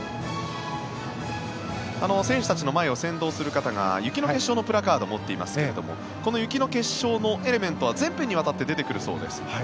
選手たちの前を先導する方が雪の結晶のプラカードを持っていますがこの雪の結晶のエレメントは全編にわたって出てくるそうです。